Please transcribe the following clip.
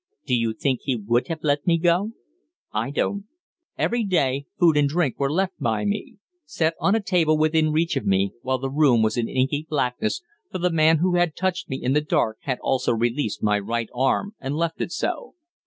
Do you think he would have let me go? I don't. "Every day food and drink were left by me set on a table within reach of me, while the room was in inky blackness, for the man who had touched me in the dark had also released my right arm and left it so.